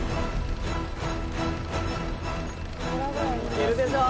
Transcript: いけるでしょう！